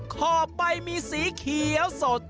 ขอบใบมีสีเขียวสด